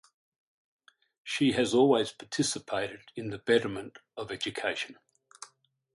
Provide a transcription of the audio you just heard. She has always participated in the betterment of education.